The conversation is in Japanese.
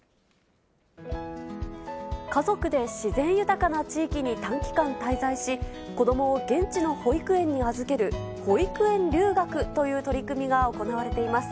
家族で自然豊かな地域に短期間滞在し、子どもを現地の保育園に預ける保育園留学という取り組みが行われています。